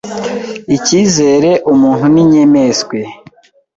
ikizire Umuntu n, inyemeswe